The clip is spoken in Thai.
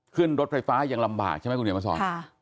ขึ้นรถไฟฟ้ายังลำบากใช่ไหมครูเนี่ยมาซอนค่ะ